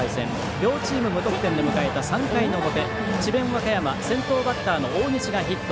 両チーム無得点で迎えた３回の表、智弁和歌山先頭バッターの大西がヒット。